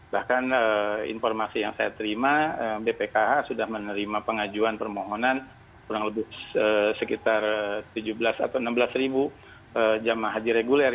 bahkan informasi yang saya terima bpkh sudah menerima pengajuan permohonan kurang lebih sekitar tujuh belas atau enam belas ribu jemaah haji reguler